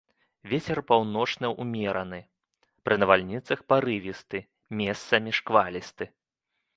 Вецер паўночны ўмераны, пры навальніцах парывісты, месцамі шквалісты.